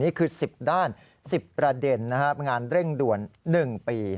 นี่คือ๑๐ด้าน๑๐ประเด็นนะครับงานเร่งด่วน๑ปี